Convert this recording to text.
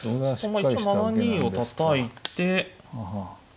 まあ一応７二をたたいて。